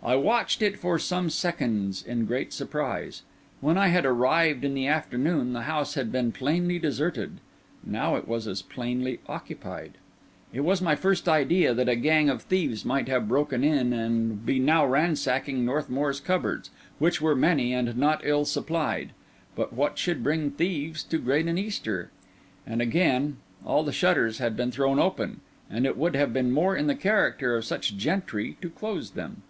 I watched it for some seconds in great surprise. When I had arrived in the afternoon the house had been plainly deserted; now it was as plainly occupied. It was my first idea that a gang of thieves might have broken in and be now ransacking Northmour's cupboards, which were many and not ill supplied. But what should bring thieves to Graden Easter? And, again, all the shutters had been thrown open, and it would have been more in the character of such gentry to close them.